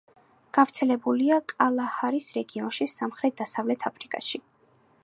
გავრცელებულია კალაჰარის რეგიონში, სამხრეთ-დასავლეთ აფრიკაში.